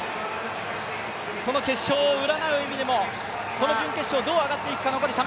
その決勝を占う意味でも、この準決勝どう上がっていくか。